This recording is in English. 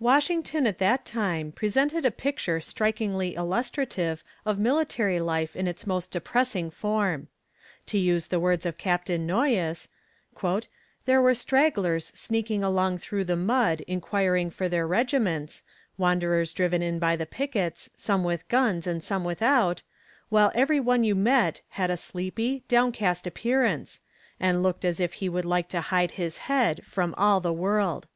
Washington at that time presented a picture strikingly illustrative of military life in its most depressing form. To use the words of Captain Noyes "There were stragglers sneaking along through the mud inquiring for their regiments, wanderers driven in by the pickets, some with guns and some without, while every one you met had a sleepy, downcast appearance, and looked as if he would like to hide his head from all the world."